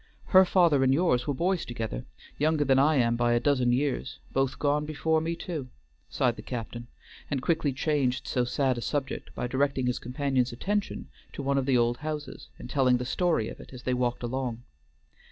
Her father and yours were boys together, younger than I am by a dozen years, both gone before me too," sighed the captain, and quickly changed so sad a subject by directing his companion's attention to one of the old houses, and telling the story of it as they walked along.